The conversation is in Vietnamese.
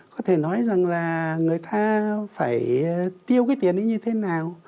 có thể nói rằng là người ta phải tiêu cái tiền ấy như thế nào